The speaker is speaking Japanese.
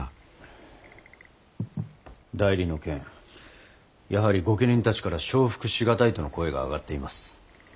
内裏の件やはり御家人たちから承服し難いとの声が上がっています。